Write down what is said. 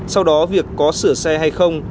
sau đó việc có sửa xe hay không